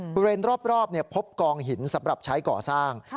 บริเวณรอบพบกองหินสำหรับใช้ก่อสร้าง